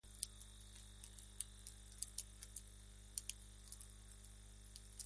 Fundadora del Centro de Atención al Niño Maltratado en Trujillo.